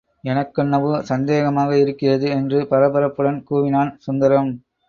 எனக்கென்னவோ சந்தேகமாக இருக்கிறது என்று பரபரப்புடன் கூவினான் சுந்தரம்.